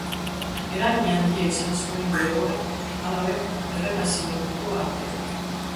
Eragin handia izan zuen bere obran, halaber, Errenazimentuko arteak.